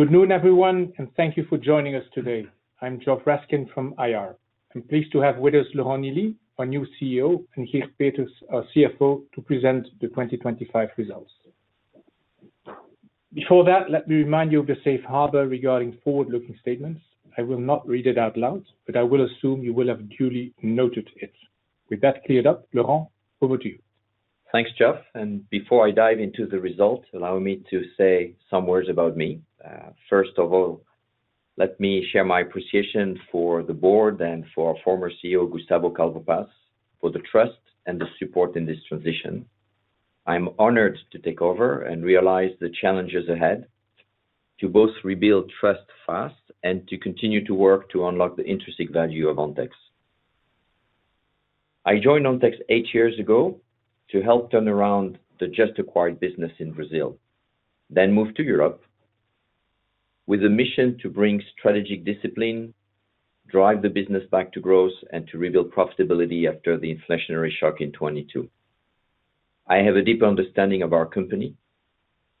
Good noon, everyone, and thank you for joining us today. I'm Geoff Raskin from IR. I'm pleased to have with us Laurent Nielly, our new CEO, and Geert Peeters, our CFO, to present the 2025 results. Before that, let me remind you of the safe harbor regarding forward-looking statements. I will not read it out loud, but I will assume you will have duly noted it. With that cleared up, Laurent, over to you. Thanks, Geoff, and before I dive into the results, allow me to say some words about me. First of all, let me share my appreciation for the board and for our former CEO, Gustavo Calvo Paz, for the trust and the support in this transition. I'm honored to take over and realize the challenges ahead, to both rebuild trust fast and to continue to work to unlock the intrinsic value of Ontex. I joined Ontex eight years ago to help turn around the just acquired business in Brazil, then moved to Europe with a mission to bring strategic discipline, drive the business back to growth, and to rebuild profitability after the inflationary shock in 2022. I have a deep understanding of our company,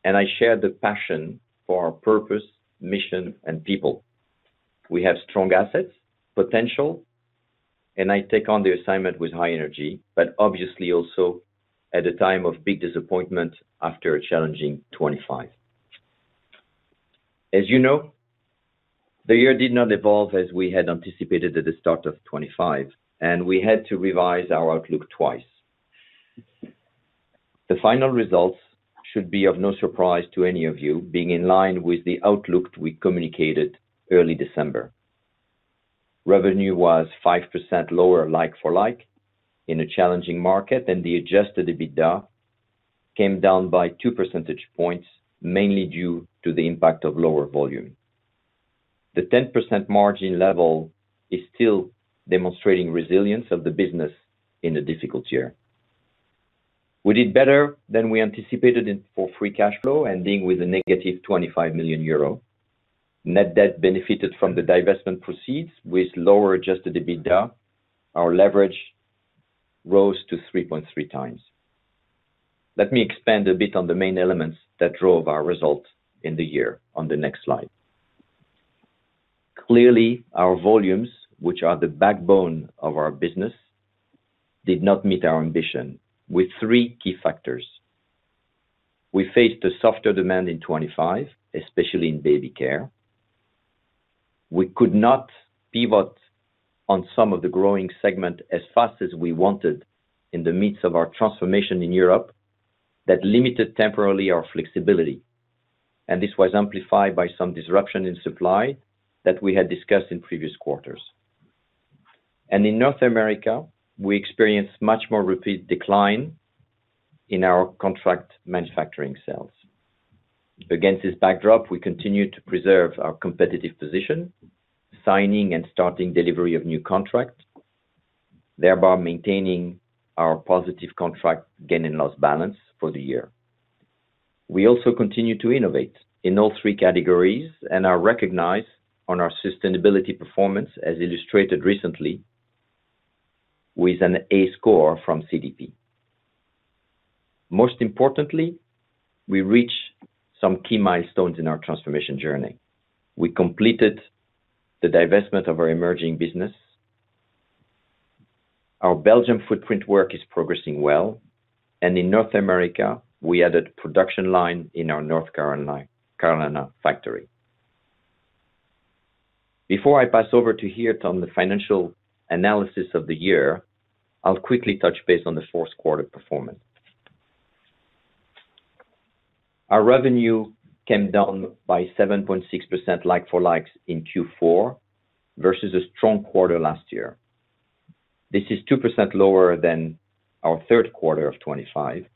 and I share the passion for our purpose, mission, and people. We have strong assets, potential, and I take on the assignment with high energy, but obviously also at a time of big disappointment after a challenging 2025. As you know, the year did not evolve as we had anticipated at the start of 2025, and we had to revise our outlook twice. The final results should be of no surprise to any of you, being in line with the outlook we communicated early December. Revenue was 5% lower, like for like, in a challenging market, and the Adjusted EBITDA came down by 2 percentage points, mainly due to the impact of lower volume. The 10% margin level is still demonstrating resilience of the business in a difficult year. We did better than we anticipated free cash flow, ending with -25 million euro. Net Debt benefited from the divestment proceeds with lower Adjusted EBITDA. Our leverage rose to 3.3x. Let me expand a bit on the main elements that drove our results in the year on the next slide. Clearly, our volumes, which are the backbone of our business, did not meet our ambition with three key factors. We faced a softer demand in 2025, especially in baby care. We could not pivot on some of the growing segment as fast as we wanted in the midst of our transformation in Europe. That limited temporarily our flexibility, and this was amplified by some disruption in supply that we had discussed in previous quarters. And in North America, we experienced much more repeat decline in our contract manufacturing sales. Against this backdrop, we continued to preserve our competitive position, signing and starting delivery of new contracts, thereby maintaining our positive contract gain and loss balance for the year. We also continue to innovate in all three categories and are recognized on our sustainability performance, as illustrated recently with an A score from CDP. Most importantly, we reached some key milestones in our transformation journey. We completed the divestment of our emerging business. Our Belgium footprint work is progressing well, and in North America, we added production line in our North Carolina factory. Before I pass over to Geert on the financial analysis of the year, I'll quickly touch base on the fourth quarter performance. Our revenue came down by 7.6% like-for-like in Q4, versus a strong quarter last year. This is 2% lower than our third quarter of 2025,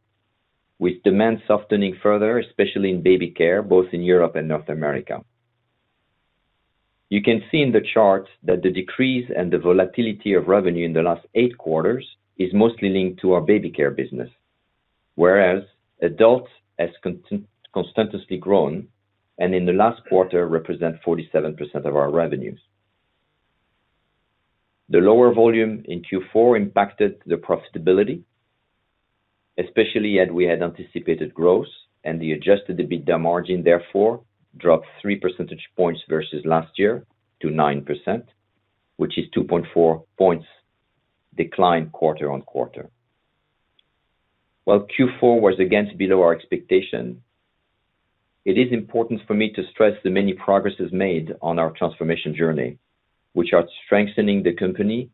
with demand softening further, especially in baby care, both in Europe and North America. You can see in the chart that the decrease and the volatility of revenue in the last 8 quarters is mostly linked to our baby care business, whereas adult has continuously grown, and in the last quarter represent 47% of our revenues. The lower volume in Q4 impacted the profitability, especially as we had anticipated growth and the Adjusted EBITDA margin, therefore, dropped three percentage points versus last year to 9%, which is 2.4 points decline quarter-on-quarter. While Q4 was again below our expectation, it is important for me to stress the many progress made on our transformation journey, which are strengthening the company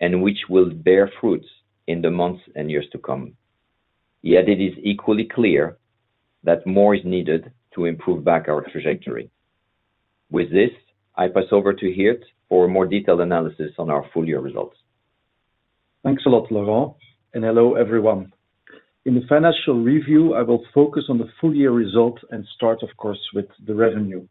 and which will bear fruits in the months and years to come. Yet it is equally clear that more is needed to improve back our trajectory. With this, I pass over to Geert for a more detailed analysis on our full year results. Thanks a lot, Laurent, and hello, everyone. In the financial review, I will focus on the full year results and start, of course, with the revenue.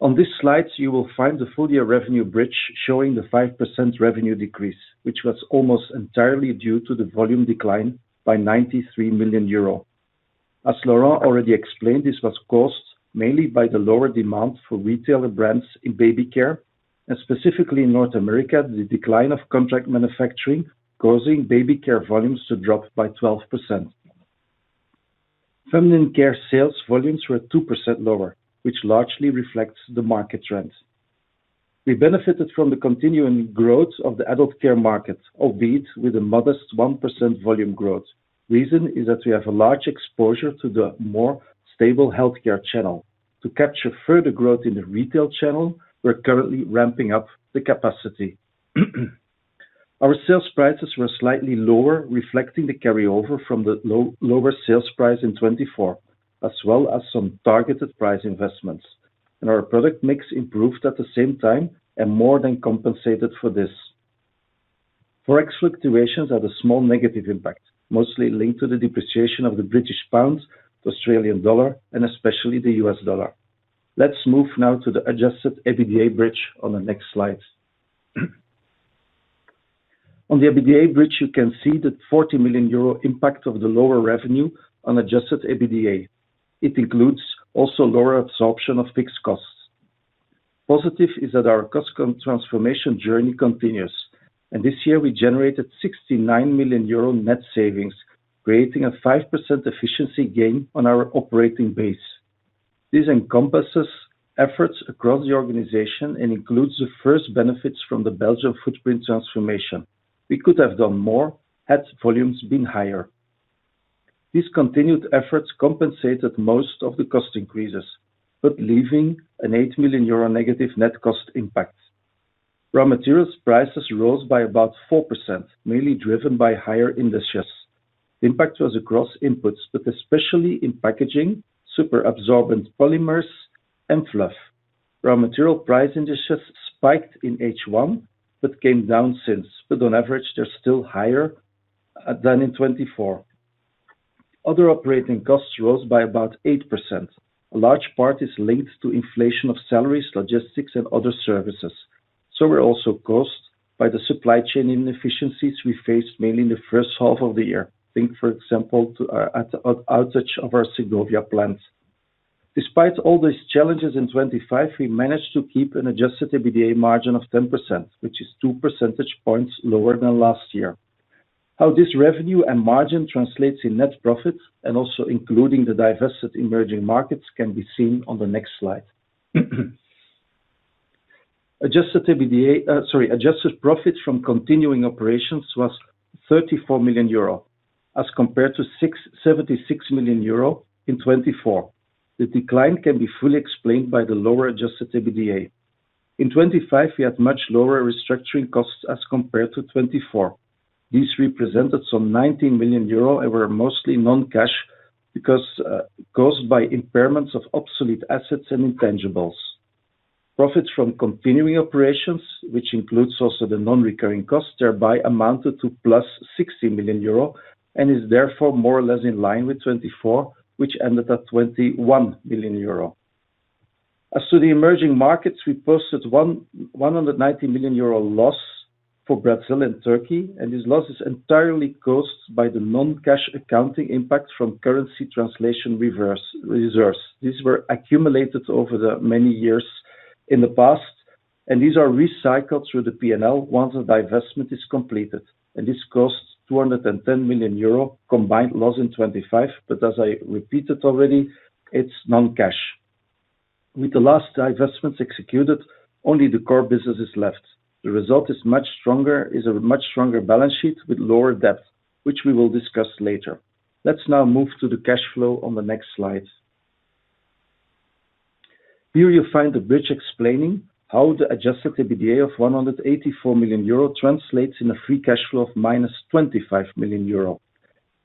On this slide, you will find the full year revenue bridge showing the 5% revenue decrease, which was almost entirely due to the volume decline by 93 million euro. As Laurent already explained, this was caused mainly by the lower demand for retailer brands in baby care and specifically in North America, the decline of contract manufacturing, causing baby care volumes to drop by 12%. Feminine care sales volumes were 2% lower, which largely reflects the market trends. We benefited from the continuing growth of the adult care market, albeit with a modest 1% volume growth. Reason is that we have a large exposure to the more stable healthcare channel. To capture further growth in the retail channel, we're currently ramping up the capacity. Our sales prices were slightly lower, reflecting the carryover from the lower sales price in 2024, as well as some targeted price investments, and our product mix improved at the same time and more than compensated for this. Forex fluctuations had a small negative impact, mostly linked to the depreciation of the British pound, the Australian dollar, and especially the U.S. dollar. Let's move now to the adjusted EBITDA bridge on the next slide. On the EBITDA bridge, you can see the 40 million euro impact of the lower revenue on adjusted EBITDA. It includes also lower absorption of fixed costs. Positive is that our cost transformation journey continues, and this year we generated 69 million euro net savings, creating a 5% efficiency gain on our operating base. This encompasses efforts across the organization and includes the first benefits from the Belgian footprint transformation. We could have done more had volumes been higher. These continued efforts compensated most of the cost increases, but leaving an 8 million euro negative net cost impact. Raw materials prices rose by about 4%, mainly driven by higher indices. The impact was across inputs, but especially in packaging, super absorbent polymers, and fluff. Raw material price indices spiked in H1, but came down since. But on average, they're still higher than in 2024. Other operating costs rose by about 8%. A large part is linked to inflation of salaries, logistics, and other services. Some were also caused by the supply chain inefficiencies we faced mainly in the first half of the year. Think, for example, to our outage at our Segovia plant. Despite all these challenges in 2025, we managed to keep an Adjusted EBITDA margin of 10%, which is 2 percentage points lower than last year. How this revenue and margin translates in net profit and also including the divested emerging markets, can be seen on the next slide. Adjusted EBITDA. Adjusted profits from continuing operations was 34 million euro, as compared to 76 million euro in 2024. The decline can be fully explained by the lower Adjusted EBITDA. In 2025, we had much lower restructuring costs as compared to 2024. These represented some 19 million euro and were mostly non-cash because caused by impairments of obsolete assets and intangibles. Profits from continuing operations, which includes also the non-recurring costs, thereby amounted to +60 million euro and is therefore more or less in line with 2024, which ended at 21 million euro. As to the emerging markets, we posted 190 million euro loss for Brazil and Turkey, and this loss is entirely caused by the non-cash accounting impact from currency translation reserves. These were accumulated over the many years in the past, and these are recycled through the P&L once the divestment is completed, and this costs 210 million euro combined loss in 2025, but as I repeated already, it's non-cash. With the last divestments executed, only the core business is left. The result is much stronger- is a much stronger balance sheet with lower debt, which we will discuss later. Let's now move to the cash flow on the next slide. Here you'll find a bridge explaining how the Adjusted EBITDA of 184 million euro translates free cash flow of -25 million euro.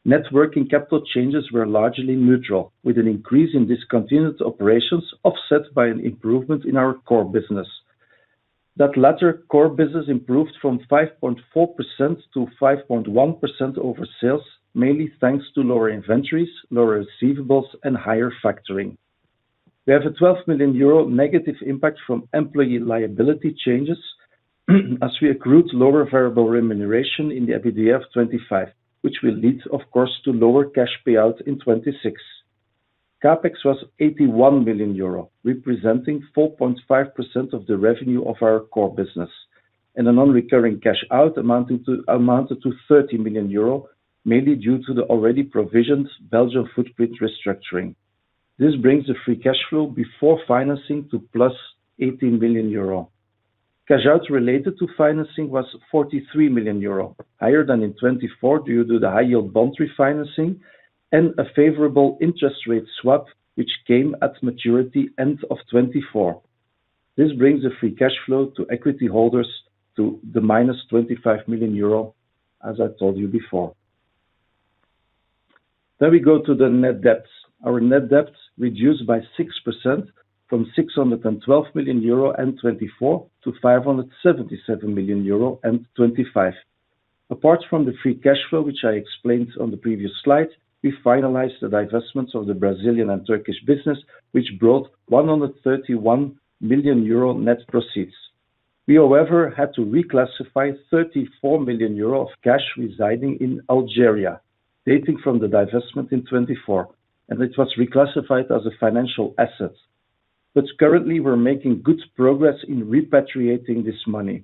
Net working capital changes were largely neutral, with an increase in discontinued operations offset by an improvement in our core business. That latter core business improved from 5.4% to 5.1% over sales, mainly thanks to lower inventories, lower receivables, and higher factoring. We have a 12 million euro negative impact from employee liability changes, as we accrued lower variable remuneration in the EBITDA of 2025, which will lead, of course, to lower cash payouts in 2026. CapEx was 81 million euro, representing 4.5% of the revenue of our core business, and a non-recurring cash out amounted to 30 million euro, mainly due to the already provisioned Belgian footprint restructuring. This free cash flow before financing to +18 million euro. Cash out related to financing was 43 million euro, higher than in 2024 due to the high-yield bond refinancing and a favorable interest rate swap, which came at maturity end of 2024. This free cash flow to equity holders to -25 million euro, as I told you before. Then we go to the net debt. Our net debt reduced by 6% from 612 million euro in 2024 to 577 million euro in 2025. Apart free cash flow, which i explained on the previous slide, we finalized the divestments of the Brazilian and Turkish business, which brought 131 million euro net proceeds. We, however, had to reclassify 34 million euro of cash residing in Algeria, dating from the divestment in 2024, and it was reclassified as a financial asset. But currently, we're making good progress in repatriating this money.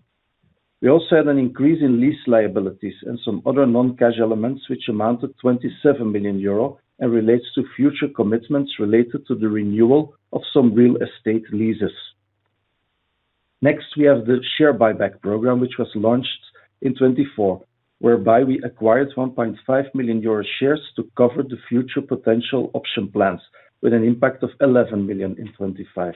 We also had an increase in lease liabilities and some other non-cash elements, which amounted 27 million euro and relates to future commitments related to the renewal of some real estate leases. Next, we have the share buyback program, which was launched in 2024, whereby we acquired 1.5 million euro shares to cover the future potential option plans, with an impact of 11 million in 2025.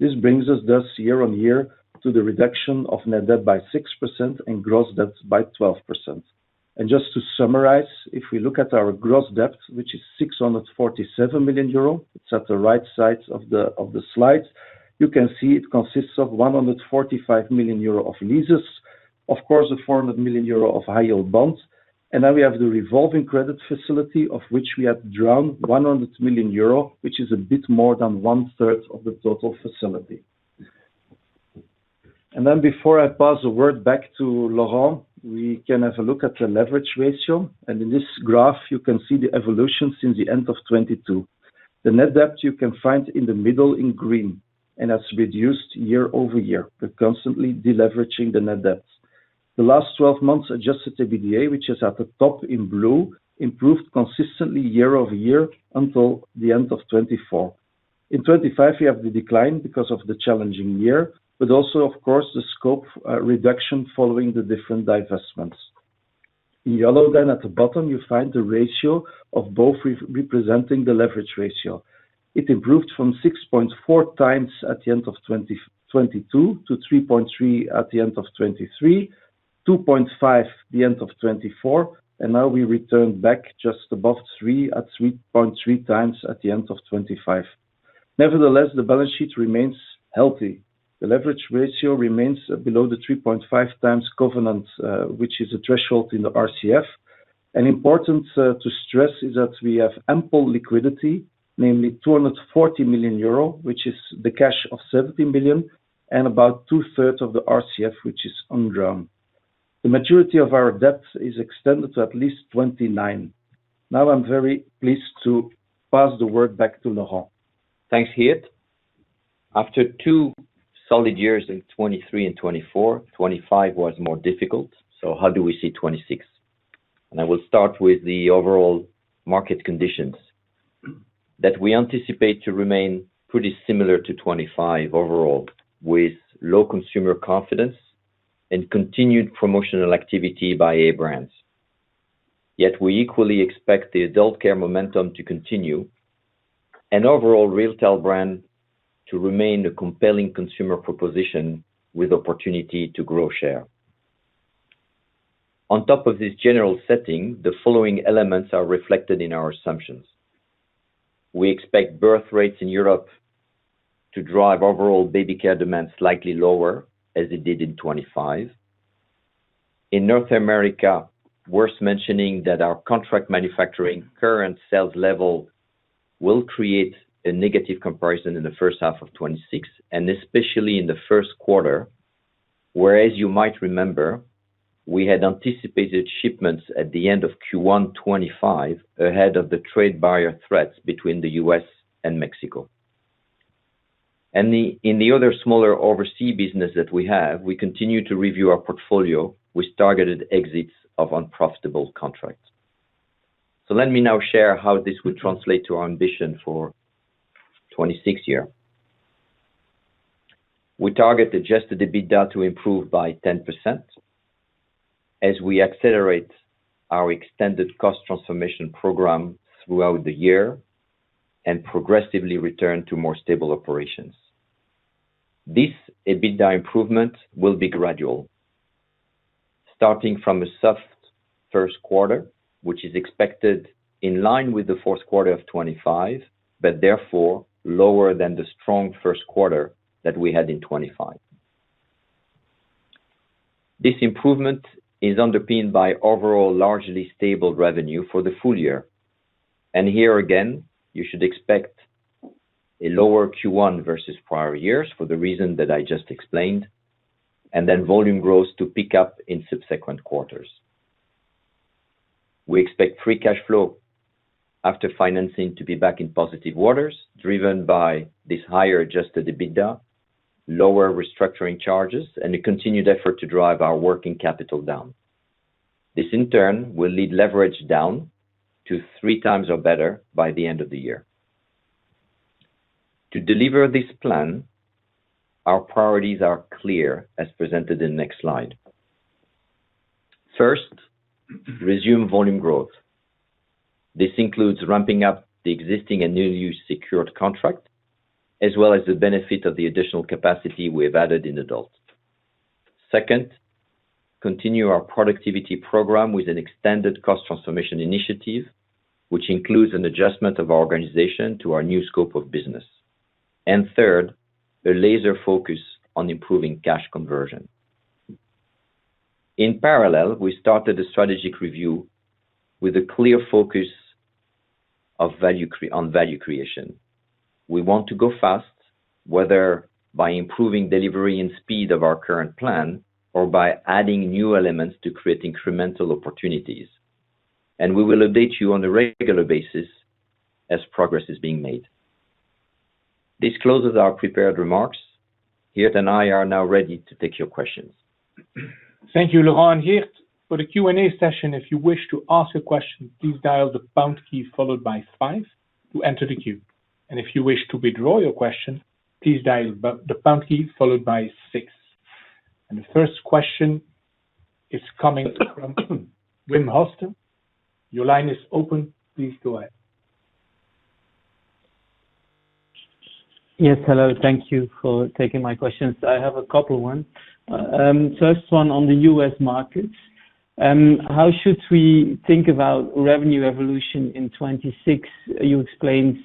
This brings us, thus, year-on-year to the reduction of net debt by 6% and gross debt by 12%. Just to summarize, if we look at our gross debt, which is 647 million euro, it's at the right side of the slide. You can see it consists of 145 million euro of leases, of course, the 400 million euro of high-yield bonds, and then we have the revolving credit facility, of which we have drawn 100 million euro, which is a bit more than one-third of the total facility. Then before I pass the word back to Laurent, we can have a look at the leverage ratio. In this graph, you can see the evolution since the end of 2022. The net debt you can find in the middle in green, and that's reduced year-over-year. We're constantly deleveraging the net debt. The last 12 months, Adjusted EBITDA, which is at the top in blue, improved consistently year-over-year until the end of 2024. In 2025, we have the decline because of the challenging year, but also, of course, the scope reduction following the different divestments. In yellow, then at the bottom, you find the ratio of both representing the leverage ratio. It improved from 6.4x at the end of 2022 to 3.3 at the end of 2023, 2.5 at the end of 2024, and now we return back just above 3 at 3.3x at the end of 2025. Nevertheless, the balance sheet remains healthy. The leverage ratio remains below the 3.5x covenant, which is a threshold in the RCF. Important to stress is that we have ample liquidity, namely 240 million euro, which is the cash of 70 million and about 2/3 of the RCF, which is undrawn. The maturity of our debt is extended to at least 2029. Now, I'm very pleased to pass the word back to Laurent. Thanks, Geert. After two solid years in 2023 and 2024, 2025 was more difficult. So how do we see 2026? And I will start with the overall market conditions that we anticipate to remain pretty similar to 2025 overall, with low consumer confidence and continued promotional activity by A-brand. Yet, we equally expect the adult care momentum to continue and overall retail brand to remain a compelling consumer proposition with opportunity to grow share. On top of this general setting, the following elements are reflected in our assumptions. We expect birth rates in Europe to drive overall baby care demand slightly lower, as it did in 2025. In North America, worth mentioning that our contract manufacturing current sales level will create a negative comparison in the first half of 2026, and especially in the first quarter, whereas you might remember, we had anticipated shipments at the end of Q1 2025, ahead of the trade tariff threats between the U.S. and Mexico. And in the other smaller overseas business that we have, we continue to review our portfolio with targeted exits of unprofitable contracts. So let me now share how this will translate to our ambition for 2026. We target the Adjusted EBITDA to improve by 10% as we accelerate our extended cost transformation program throughout the year and progressively return to more stable operations. This EBITDA improvement will be gradual, starting from a soft first quarter, which is expected in line with the fourth quarter of 2025, but therefore lower than the strong first quarter that we had in 2025. This improvement is underpinned by overall largely stable revenue for the full year. Here again, you should expect a lower Q1 versus prior years for the reason that I just explained, and then volume grows to pick up in subsequent quarters. free cash flow after financing to be back in positive orders, driven by this higher Adjusted EBITDA, lower restructuring charges, and a continued effort to drive our working capital down. This, in turn, will lead leverage down to 3x or better by the end of the year. To deliver this plan, our priorities are clear, as presented in the next slide. First, resume volume growth. This includes ramping up the existing and newly secured contract, as well as the benefit of the additional capacity we've added in adult. Second, continue our productivity program with an extended cost transformation initiative, which includes an adjustment of our organization to our new scope of business. And third, a laser focus on improving cash conversion. In parallel, we started a strategic review with a clear focus on value creation. We want to go fast, whether by improving delivery and speed of our current plan, or by adding new elements to create incremental opportunities. And we will update you on a regular basis as progress is being made. This closes our prepared remarks. Geert and I are now ready to take your questions. Thank you, Laurent. Geert, for the Q&A session, if you wish to ask a question, please dial the pound key followed by five to enter the queue, and if you wish to withdraw your question, please dial the pound key followed by six. The first question is coming from Wim Hoste. Your line is open. Please go ahead. Yes, hello. Thank you for taking my questions. I have a couple of one. First one on the U.S. market. How should we think about revenue evolution in 2026? You explained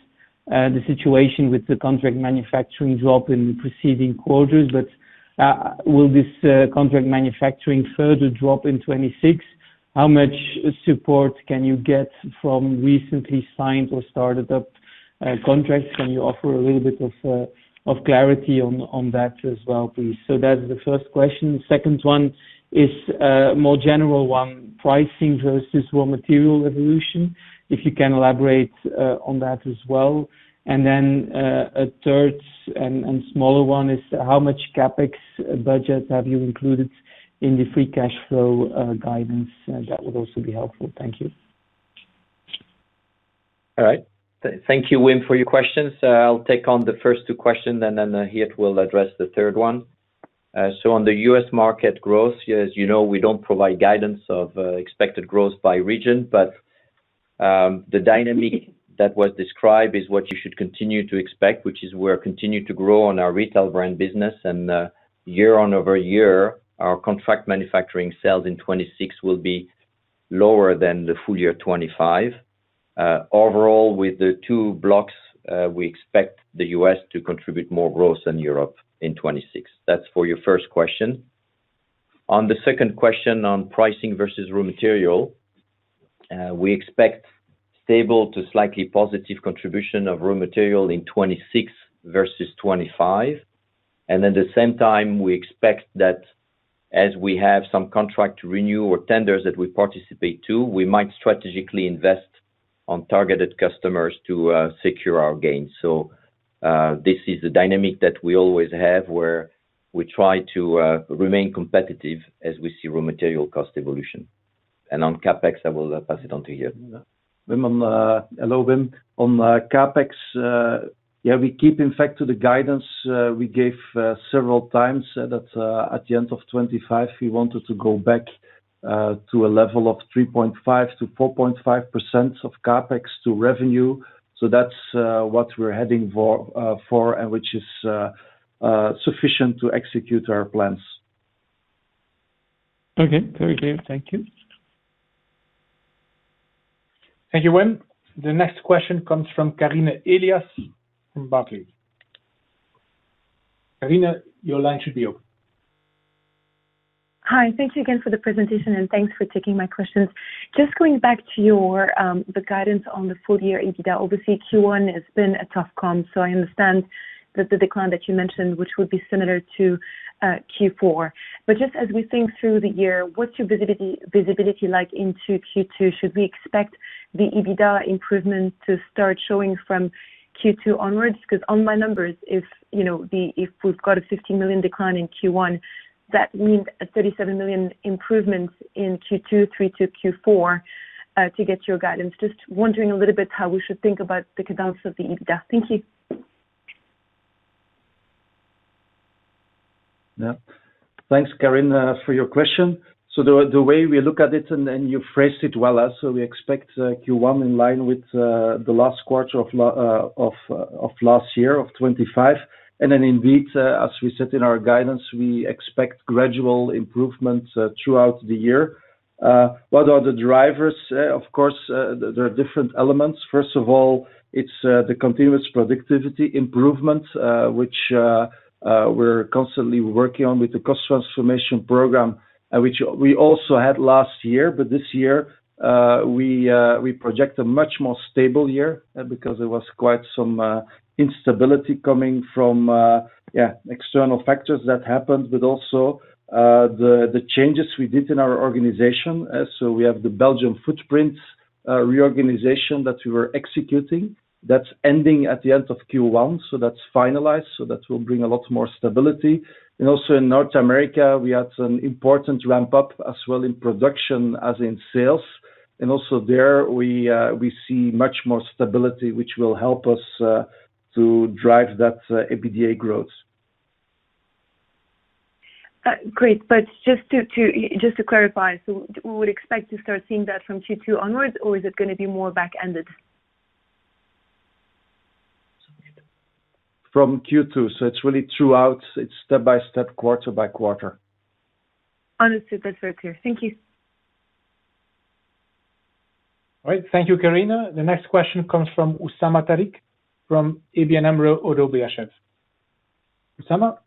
the situation with the contract manufacturing drop in preceding quarters, but will this contract manufacturing further drop in 2026? How much support can you get from recently signed or started up contracts? Can you offer a little bit of clarity on that as well, please? So that's the first question. Second one is more general one, pricing versus raw material evolution. If you can elaborate on that as well. And then a third and smaller one is, how much CapEx budget have you included free cash flow guidance? that would also be helpful. Thank you. All right. Thank you, Wim, for your questions. I'll take on the first two questions, and then Geert will address the third one. So on the U.S. market growth, as you know, we don't provide guidance of expected growth by region, but the dynamic that was described is what you should continue to expect, which is we're continuing to grow on our retail brand business. And year-over-year, our contract manufacturing sales in 2026 will be lower than the full year 2025. Overall, with the two blocks, we expect the U.S. to contribute more growth than Europe in 2026. That's for your first question. On the second question on pricing versus raw material, we expect stable to slightly positive contribution of raw material in 2026 versus 2025. And at the same time, we expect that as we have some contract renew or tenders that we participate to, we might strategically invest on targeted customers to secure our gains. So, this is the dynamic that we always have, where we try to remain competitive as we see raw material cost evolution. And on CapEx, I will pass it on to you. Hello, Wim. On CapEx, yeah, we keep in fact to the guidance we gave several times, that at the end of 2025, we wanted to go back to a level of 3.5%-4.5% of CapEx to revenue. So that's what we're heading for, for, and which is sufficient to execute our plans. Okay. Very clear. Thank you. Thank you, Wim. The next question comes from Karine Elias from Barclays. Karina, your line should be open. Hi, thank you again for the presentation, and thanks for taking my questions. Just going back to your, the guidance on the full year EBITDA. Obviously, Q1 has been a tough comp, so I understand that the decline that you mentioned, which would be similar to Q4. But just as we think through the year, what's your visibility like into Q2? Should we expect the EBITDA improvement to start showing from Q2 onwards? Because on my numbers, if you know, if we've got a 15 million decline in Q1, that means a 37 million improvements in Q2, Q3 to Q4 to get your guidance. Just wondering a little bit how we should think about the cadence of the EBITDA. Thank you. Yeah. Thanks, Karine, for your question. So the way we look at it, and then you phrased it well also, we expect Q1 in line with the last quarter of last year of 2025. Then indeed, as we said in our guidance, we expect gradual improvements throughout the year. What are the drivers? Of course, there are different elements. First of all, it's the continuous productivity improvement, which we're constantly working on with the cost transformation program, which we also had last year. But this year, we project a much more stable year, because there was quite some instability coming from external factors that happened, but also the changes we did in our organization. So we have the Belgium footprint reorganization that we were executing. That's ending at the end of Q1, so that's finalized, so that will bring a lot more stability. And also in North America, we had an important ramp-up as well in production, as in sales. And also there, we see much more stability, which will help us to drive that EBITDA growth. Great. But just to clarify, so we would expect to start seeing that from Q2 onwards, or is it gonna be more back-ended? From Q2. So it's really throughout, it's step by step, quarter by quarter. Understood. That's very clear. Thank you. All right. Thank you, Karine. The next question comes from Usama Tariq, from ABN AMRO - ODDO BHF. Usama?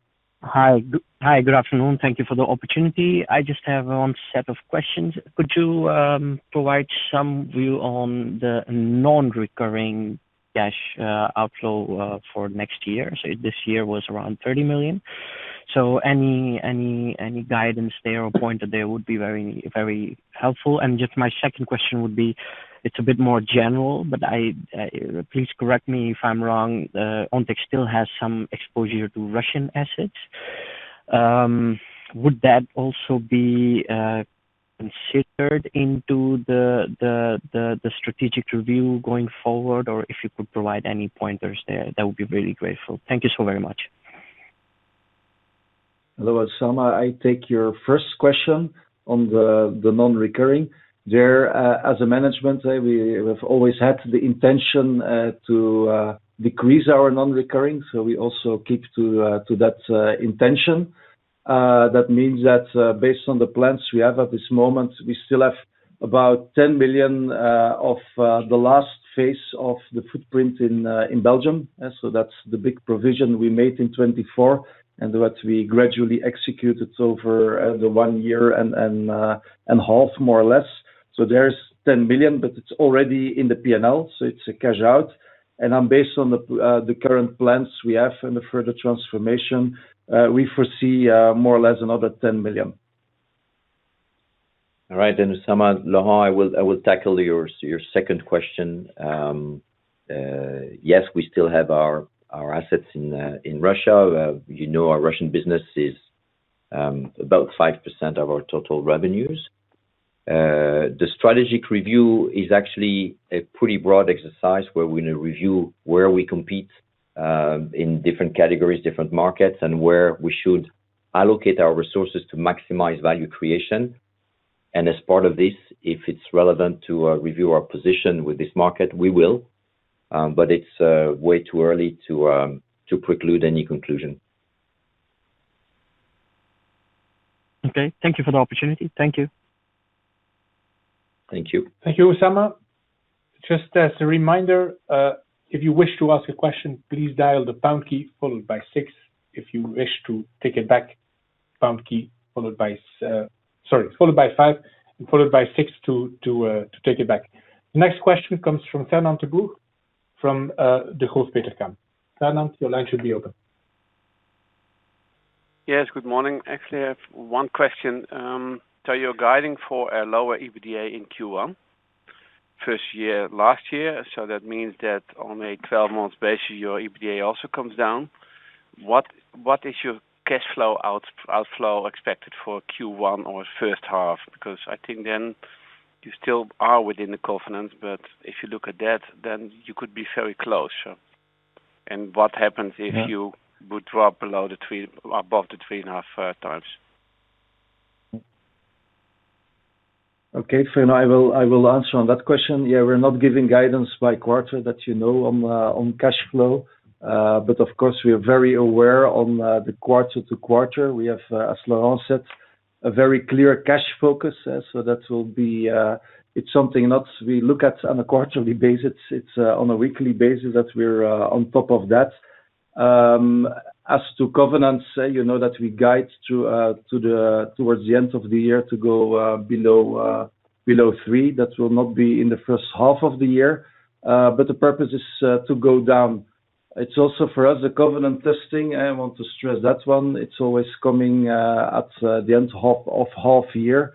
Hi, good afternoon. Thank you for the opportunity. I just have one set of questions. Could you provide some view on the non-recurring cash outflow for next year? So this year was around 30 million. So any guidance there or point there would be very helpful. And just my second question would be, it's a bit more general, but please correct me if I'm wrong, Ontex still has some exposure to Russian assets. Would that also be considered into the strategic review going forward, or if you could provide any pointers there, that would be very grateful. Thank you so very much. Hello, Usama. I take your first question on the non-recurring. There, as a management, we, we've always had the intention to decrease our non-recurring, so we also keep to that intention. That means that, based on the plans we have at this moment, we still have about 10 million of the last phase of the footprint in Belgium. So that's the big provision we made in 2024, and what we gradually executed over the one year and half, more or less. So there's 10 million, but it's already in the P&L, so it's a cash out. And, based on the current plans we have and the further transformation, we foresee more or less another 10 million. All right, then, Usama. Laurent, I will tackle your second question. Yes, we still have our assets in Russia. You know, our Russian business is about 5% of our total revenues. The strategic review is actually a pretty broad exercise where we review where we compete in different categories, different markets, and where we should allocate our resources to maximize value creation. And as part of this, if it's relevant to review our position with this market, we will, but it's way too early to preclude any conclusion. Okay. Thank you for the opportunity. Thank you. Thank you. Thank you, Usama. Just as a reminder, if you wish to ask a question, please dial the pound key followed by six. If you wish to take it back, pound key, followed by five and followed by six to take it back. The next question comes from Fernand De Boer from Degroof Petercam. Fernand, your line should be open. Yes, good morning. Actually, I have one question. So you're guiding for a lower EBITDA in Q1, first year, last year, so that means that on a 12-month basis, your EBITDA also comes down. What is your cash flow outflow expected for Q1 or first half? Because I think then you still are within the covenants, but if you look at that, then you could be very close. And what happens if you would go above the 3.5x? Okay, Fernand, I will answer on that question. Yeah, we're not giving guidance by quarter, that you know, on cash flow, but of course, we are very aware on the quarter to quarter. We have, as Laurent said, a very clear cash focus. So that will be, it's something not we look at on a quarterly basis. It's on a weekly basis that we're on top of that. As to governance, you know, that we guide through to the towards the end of the year to go below three. That will not be in the first half of the year, but the purpose is to go down. It's also, for us, a covenant testing, I want to stress that one. It's always coming at the end half of half year,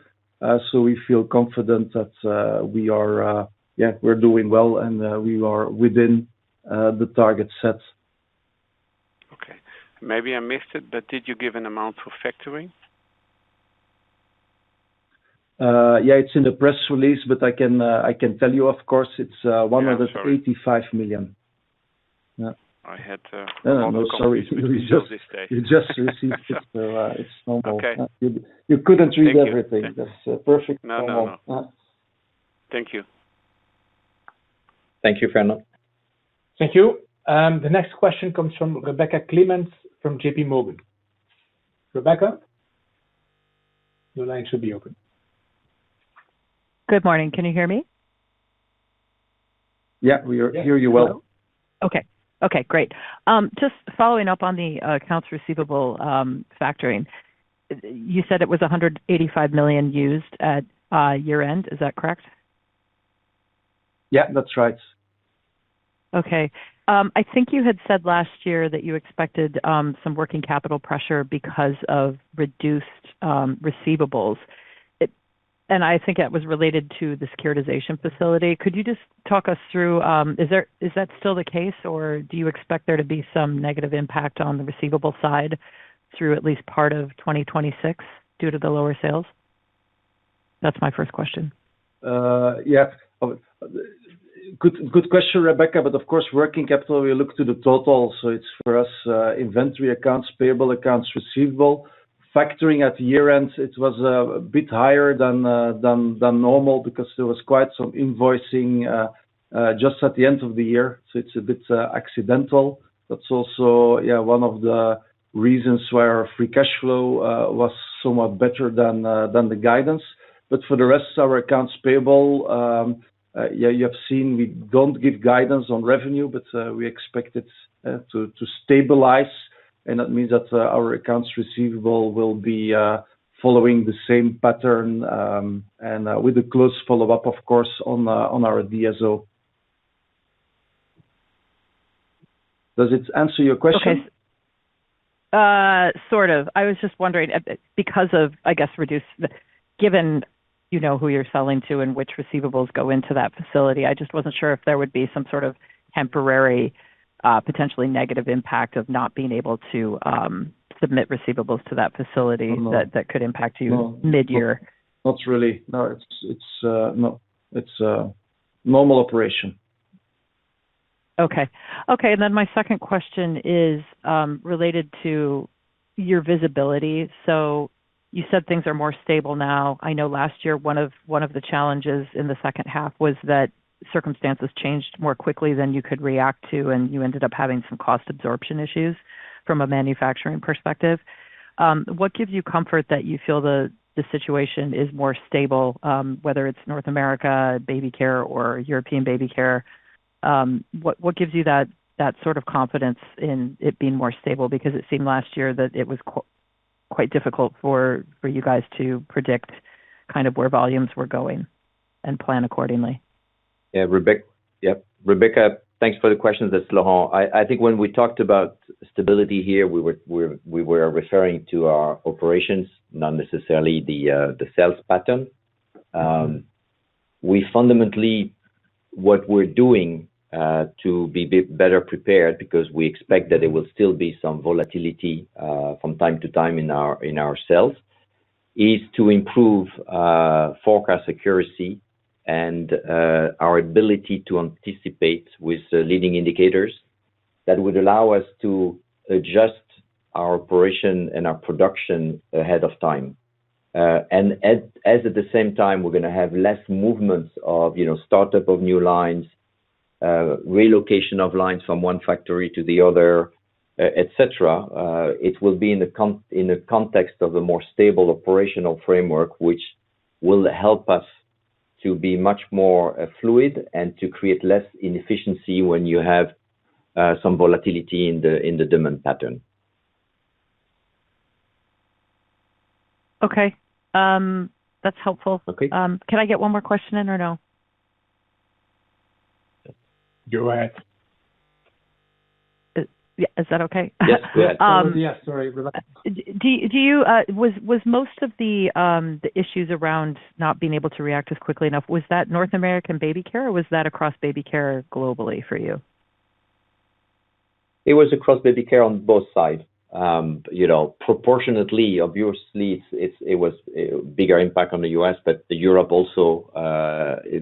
so we feel confident that we are, yeah, we're doing well, and we are within the target set. Okay. Maybe I missed it, but did you give an amount for factoring? Yeah, it's in the press release, but I can, I can tell you, of course, it's... Yeah, sorry. 185 million. Yeah. I had to- No, no, sorry. --this day. You just received it. It's normal. Okay. You couldn't read everything. Thank you. That's perfect, normal. No, no, no. Thank you. Thank you, Fernand. Thank you. The next question comes from Rebecca Clements from JPMorgan. Rebecca, your line should be open. Good morning. Can you hear me? Yeah, we hear you well. Okay. Okay, great. Just following up on the accounts receivable factoring. You said it was 185 million used at year-end. Is that correct? Yeah, that's right. Okay. I think you had said last year that you expected some working capital pressure because of reduced receivables. It and I think it was related to the securitization facility. Could you just talk us through, is that still the case, or do you expect there to be some negative impact on the receivable side through at least part of 2026 due to the lower sales? That's my first question. Yeah. Good, good question, Rebecca, but of course, working capital, we look to the total. So it's for us, inventory, accounts payable, accounts receivable. Factoring at year-end, it was a bit higher than normal because there was quite some invoicing just at the end of the year, so it's a bit accidental. That's also yeah, one of the reasons free cash flow was somewhat better than the guidance. But for the rest of our accounts payable, yeah, you have seen we don't give guidance on revenue, but we expect it to stabilize, and that means that our accounts receivable will be following the same pattern, and with a close follow-up, of course, on our DSO. Does it answer your question? Okay. Sort of. I was just wondering, because of, I guess, reduced- Given you know who you're selling to and which receivables go into that facility, I just wasn't sure if there would be some sort of temporary, potentially negative impact of not being able to submit receivables to that facility- No. that could impact you mid-year. Not really. No, it's, no... It's a normal operation. Okay. Okay, and then my second question is related to your visibility. So you said things are more stable now. I know last year, one of, one of the challenges in the second half was that circumstances changed more quickly than you could react to, and you ended up having some cost absorption issues from a manufacturing perspective. What gives you comfort that you feel the, the situation is more stable, whether it's North America baby care or European baby care? What, what gives you that, that sort of confidence in it being more stable? Because it seemed last year that it was quite difficult for, for you guys to predict kind of where volumes were going, and plan accordingly. Yeah, Rebecca, thanks for the question. It's Laurent. I think when we talked about stability here, we were referring to our operations, not necessarily the sales pattern. We fundamentally, what we're doing to be better prepared, because we expect that there will still be some volatility from time to time in our sales, is to improve forecast accuracy and our ability to anticipate with leading indicators that would allow us to adjust our operation and our production ahead of time. And as at the same time, we're gonna have less movements of, you know, startup of new lines, relocation of lines from one factory to the other, et cetera, it will be in the context of a more stable operational framework, which will help us to be much more fluid and to create less inefficiency when you have some volatility in the demand pattern. Okay. That's helpful. Okay. Can I get one more question in or no? Go ahead. Is, yeah, is that okay? Yes, go ahead. Yeah, sorry, Rebecca. Do you, was most of the issues around not being able to react as quickly enough, was that North American baby care, or was that across baby care globally for you? It was across Baby Care on both sides. You know, proportionately, obviously, it was a bigger impact on the U.S., but Europe also,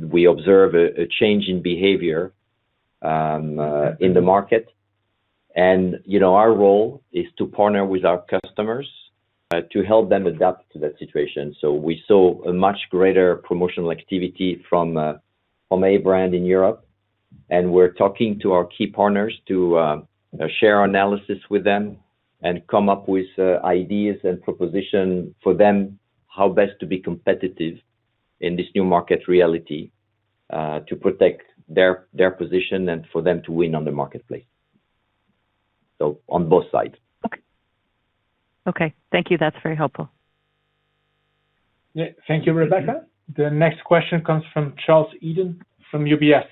we observe a change in behavior in the market. And, you know, our role is to partner with our customers to help them adapt to that situation. So we saw a much greater promotional activity from a brand in Europe, and we're talking to our key partners to share our analysis with them and come up with ideas and proposition for them, how best to be competitive in this new market reality, to protect their position and for them to win on the marketplace. So on both sides. Okay. Okay, thank you. That's very helpful. Yeah. Thank you, Rebecca. The next question comes from Charles Eden, from UBS.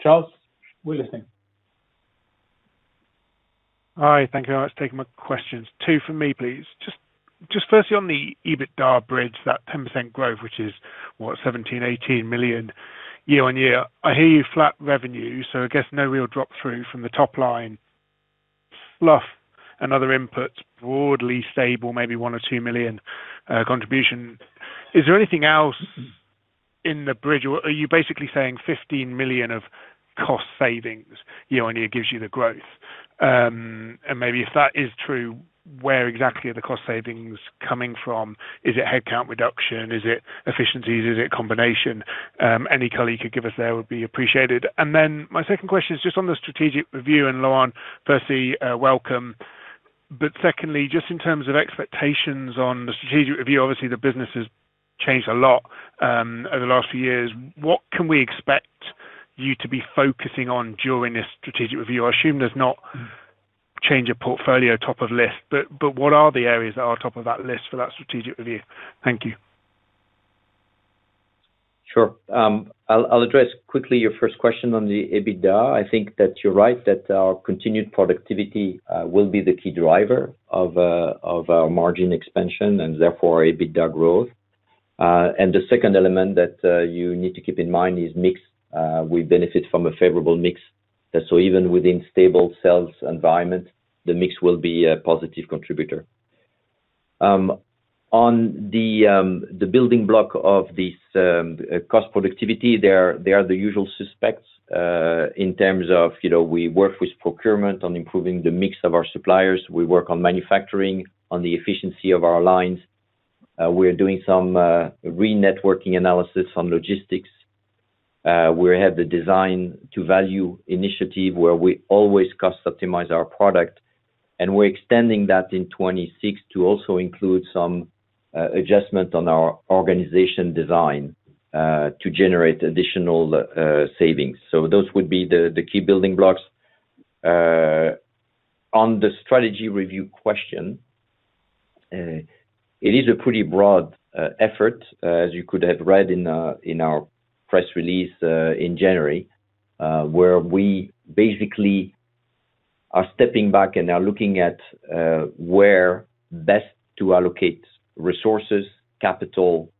Charles, we're listening. Hi, thank you very much for taking my questions. Two for me, please. Just, just firstly, on the EBITDA bridge, that 10% growth, which is, what? 17 million-18 million year-on-year. I hear you, flat revenue, so I guess no real drop-through from the top line. SG&A and other inputs, broadly stable, maybe 1 million-2 million contribution. Is there anything else in the bridge, or are you basically saying 15 million of cost savings year-on-year gives you the growth? And maybe if that is true, where exactly are the cost savings coming from? Is it headcount reduction? Is it efficiencies? Is it combination? Any color you could give us there would be appreciated. And then my second question is just on the strategic review, and, Laurent, firstly, welcome. But secondly, just in terms of expectations on the strategic review, obviously the business has changed a lot, over the last few years. What can we expect you to be focusing on during this strategic review? I assume there's not change of portfolio top of list, but, but what are the areas that are on top of that list for that strategic review? Thank you. Sure. I'll address quickly your first question on the EBITDA. I think that you're right, that our continued productivity will be the key driver of our margin expansion and therefore EBITDA growth. And the second element that you need to keep in mind is mix. We benefit from a favorable mix. So even within stable sales environment, the mix will be a positive contributor. On the building block of this cost productivity, they are the usual suspects in terms of, you know, we work with procurement on improving the mix of our suppliers, we work on manufacturing, on the efficiency of our lines, we're doing some re-networking analysis on logistics. We have the design to value initiative where we always cost optimize our product, and we're extending that in 2026 to also include some adjustment on our organization design to generate additional savings. So those would be the key building blocks. On the strategy review question, it is a pretty broad effort, as you could have read in our press release in January, where we basically are stepping back and are looking at where best to allocate resources, capital,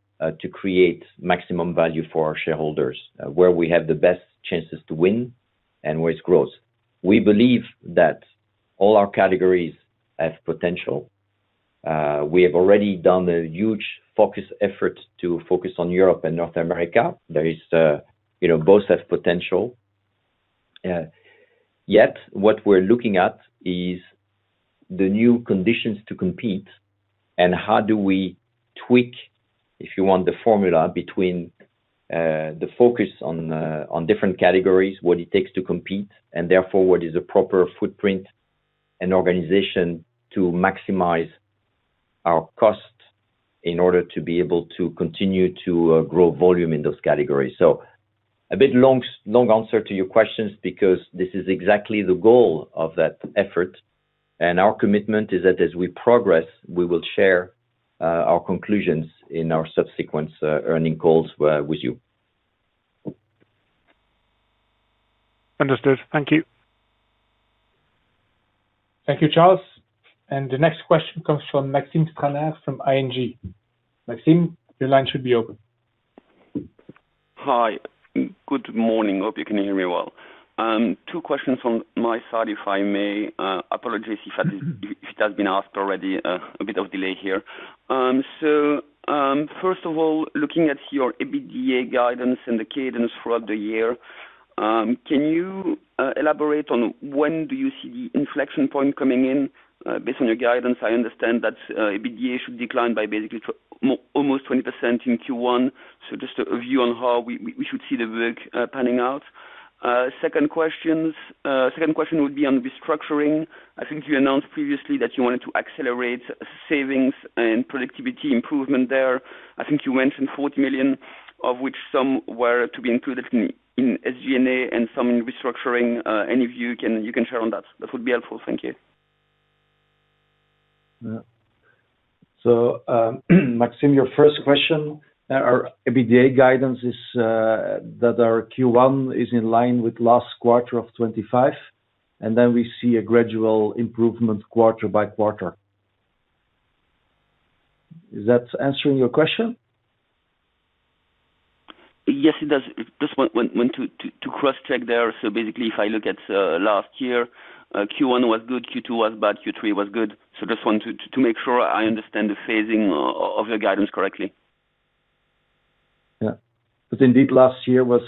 to create maximum value for our shareholders, where we have the best chances to win and where it's growth. We believe that all our categories have potential. We have already done a huge focus effort to focus on Europe and North America. There is, you know, both have potential. Yes, what we're looking at is the new conditions to compete and how do we tweak, if you want, the formula between, the focus on, on different categories, what it takes to compete, and therefore, what is the proper footprint and organization to maximize our cost in order to be able to continue to, grow volume in those categories. So a bit long, long answer to your questions, because this is exactly the goal of that effort, and our commitment is that as we progress, we will share, our conclusions in our subsequent, earnings calls, with you. Understood. Thank you. Thank you, Charles. The next question comes from Maxime Stranart from ING. Maxime, your line should be open. Hi. Good morning, hope you can hear me well. Two questions from my side, if I may. Apologies if it has been asked already, a bit of delay here. First of all, looking at your EBITDA guidance and the cadence throughout the year, can you elaborate on when do you see the inflection point coming in? Based on your guidance, I understand that EBITDA should decline by basically almost 20% in Q1. So just a view on how we should see the work panning out. Second question would be on restructuring. I think you announced previously that you wanted to accelerate savings and productivity improvement there. I think you mentioned 40 million, of which some were to be included in SG&A and some in restructuring. Any of you can, you can share on that? That would be helpful. Thank you. Yeah. So, Maxime, your first question, our EBITDA guidance is that our Q1 is in line with last quarter of 25, and then we see a gradual improvement quarter by quarter. Is that answering your question? Yes, it does. Just want to cross-check there. So basically, if I look at last year, Q1 was good, Q2 was bad, Q3 was good. So just want to make sure I understand the phasing of your guidance correctly. Yeah. But indeed, last year was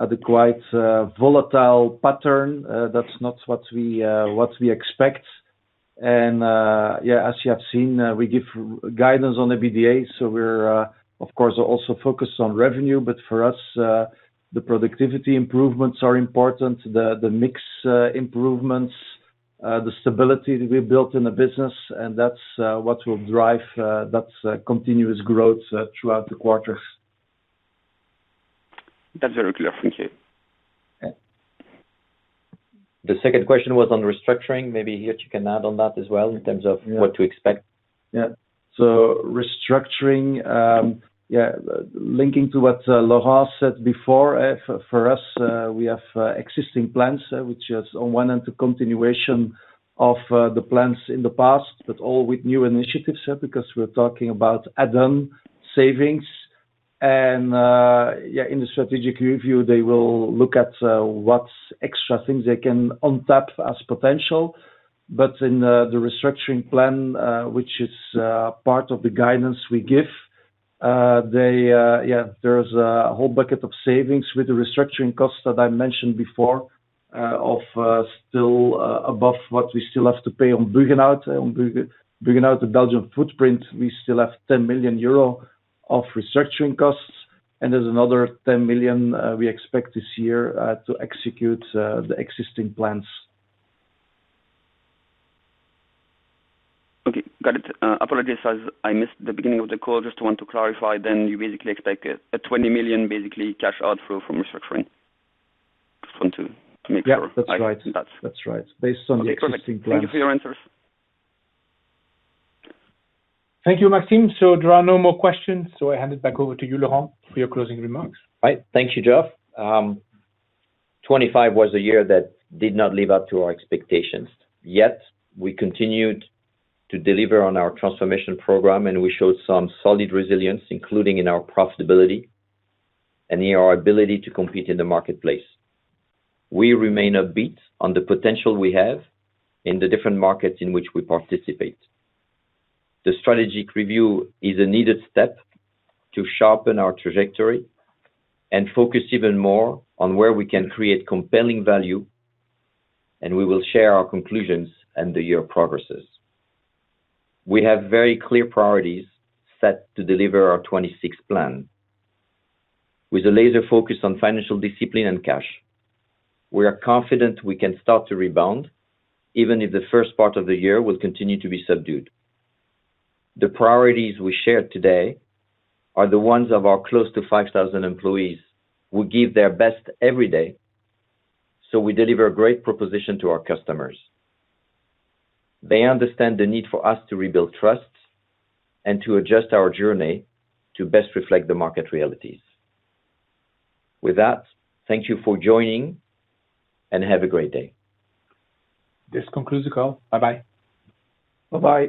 at a quite volatile pattern. That's not what we expect. And yeah, as you have seen, we give guidance on EBITDA, so we're of course also focused on revenue, but for us the productivity improvements are important. The mix improvements, the stability that we built in the business, and that's what will drive that continuous growth throughout the quarters. That's very clear. Thank you. Yeah. The second question was on restructuring. Maybe here you can add on that as well in terms of- Yeah. What to expect. Yeah. So restructuring, yeah, linking to what Laurent said before, for us, we have existing plans, which is on one end, the continuation of the plans in the past, but all with new initiatives, because we're talking about add-on savings. And yeah, in the strategic review, they will look at what extra things they can untap as potential. But in the restructuring plan, which is part of the guidance we give, they yeah, there's a whole bucket of savings with the restructuring costs that I mentioned before, of still above what we still have to pay on building out. On building out the Belgian footprint, we still have 10 million euro of restructuring costs, and there's another 10 million we expect this year to execute the existing plans. Okay, got it. Apologies as I missed the beginning of the call. Just want to clarify, then you basically expect a 20 million, basically, cash outflow from restructuring. Just want to make sure. Yeah, that's right. That's- That's right. Based on the existing plans. Okay, perfect. Thank you for your answers. Thank you, Maxime. There are no more questions, so I hand it back over to you, Laurent, for your closing remarks. Right. Thank you, Geoff. 2025 was a year that did not live up to our expectations. Yet we continued to deliver on our transformation program, and we showed some solid resilience, including in our profitability and in our ability to compete in the marketplace. We remain upbeat on the potential we have in the different markets in which we participate. The strategic review is a needed step to sharpen our trajectory and focus even more on where we can create compelling value, and we will share our conclusions and the year progresses. We have very clear priorities set to deliver our 2026 plan. With a laser focus on financial discipline and cash, we are confident we can start to rebound, even if the first part of the year will continue to be subdued. The priorities we shared today are the ones of our close to 5,000 employees, who give their best every day, so we deliver a great proposition to our customers. They understand the need for us to rebuild trust and to adjust our journey to best reflect the market realities. With that, thank you for joining, and have a great day. This concludes the call. Bye-bye. Bye-bye.